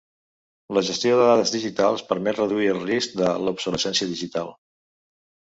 La gestió de dades digitals permet reduir el risc de l'obsolescència digital.